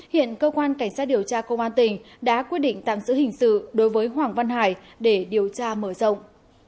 hiện cơ quan cảnh sát điều tra công an tỉnh đã quyết định tạm giữ hình sự đối với hoàng văn hải để điều tra mở rộng